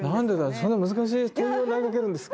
そんな難しい問いを投げかけるんですか。